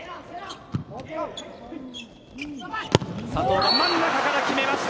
佐藤、ど真ん中から決めました